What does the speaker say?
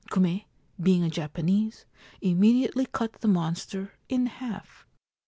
Kume, being a Japanese, immediately cut the monster in half.